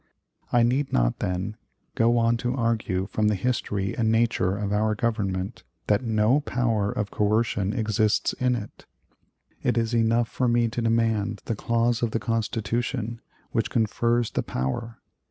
"I need not, then, go on to argue from the history and nature of our Government that no power of coercion exists in it. It is enough for me to demand the clause of the Constitution which confers the power.